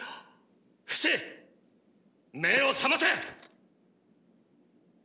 フシ目を覚ませ！！